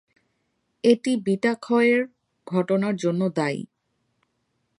এটি বিটা-ক্ষয়ের ঘটনার জন্য দায়ী।